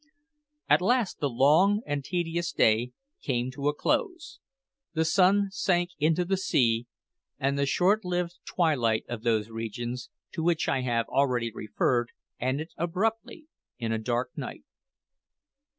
At last the long and tedious day came to a close, the sun sank into the sea, and the short lived twilight of those regions, to which I have already referred, ended abruptly in a dark night.